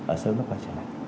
ở sớm nước ngoài trời này